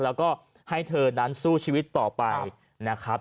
แล้วก็ให้เธอนั้นสู้ชีวิตต่อไปนะครับ